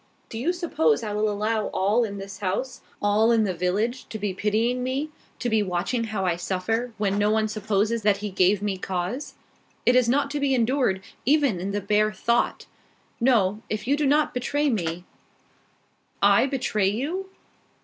"Do you suppose I will allow all in this house, all in the village, to be pitying me, to be watching how I suffer, when no one supposes that he gave me cause? It is not to be endured, even in the bare thought. No. If you do not betray me " "I betray you?"